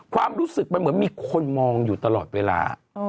ความรู้สึกมันเหมือนมีคนมองอยู่ตลอดเวลา